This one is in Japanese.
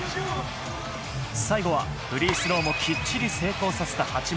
最後はフリースローもきっちりと成功させた八村。